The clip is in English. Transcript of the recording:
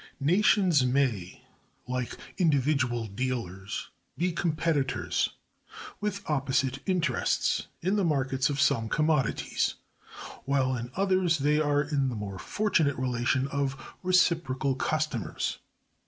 Nations may, like individual dealers, be competitors, with opposite interests, in the markets of some commodities, while in others they are in the more fortunate relation of reciprocal customers.